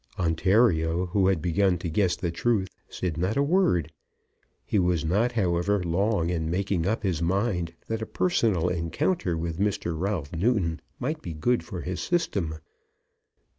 Ontario, who had begun to guess the truth, said not a word. He was not, however, long in making up his mind that a personal encounter with Mr. Ralph Newton might be good for his system.